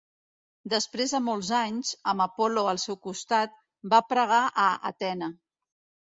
Després de molts anys, amb Apol·lo al seu costat, va pregar a Atena.